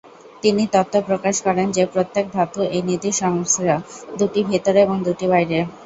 তিনি তত্ত্ব প্রকাশ করেন যে প্রত্যেক ধাতু এই নীতির সংমিশ্রণ, দুটি ভেতরে এবং দুটি বাইরে।